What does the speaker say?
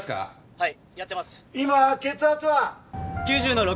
はい。